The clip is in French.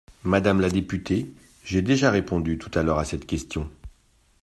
Madame la députée, j’ai déjà répondu tout à l’heure à cette question.